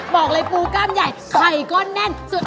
บอกเลยปูกล้ามใหญ่ใส่ก้อนแน่นสุด